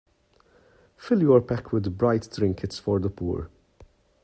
Fill your pack with bright trinkets for the poor.